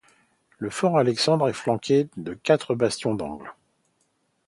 Le Fort Alexandre est flanqué de quatre bastions d'angle.